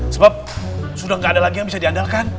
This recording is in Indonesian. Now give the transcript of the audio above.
sebab sudah tidak ada lagi yang bisa diandalkan